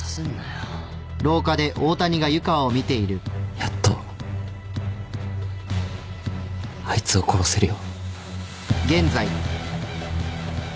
やっとあいつを殺せるよ。